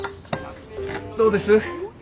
どうです？